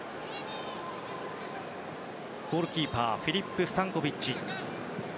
ゴールキーパーフィリップ・スタンコビッチ